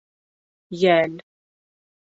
Йәл!